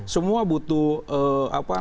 semua butuh apa namanya